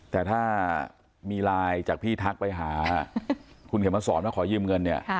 แต่ถ้ามีไลน์จากพี่ทักไปหาคุณเข็มมาสอนว่าขอยืมเงินเนี่ย